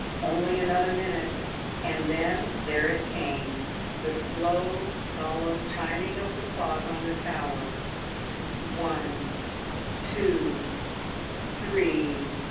Only another minute, and then there it came the slow, solemn chiming of the clock on the tower. One, two, three.